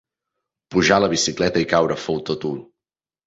Pujar a la bicicleta i caure fou tot u.